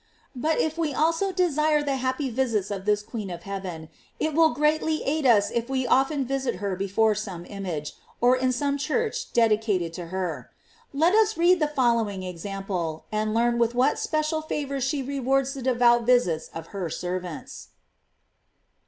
But if we also desire the happy visits of this queen of heaven, it will greatly aid us if we often visit her before some image, <K in some church dedicated to her. Let us read the follow ing example, and learn with what special favors she rewards the devout visits of her servants.